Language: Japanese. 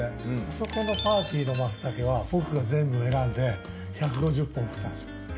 そこのパーティーの松茸は僕が全部選んで１５０本送ったんすよ